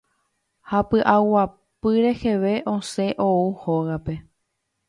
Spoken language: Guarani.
ha py'aguapy reheve osẽ ou hógape.